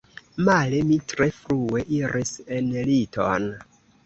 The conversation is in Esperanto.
Male, mi tre frue iris en liton.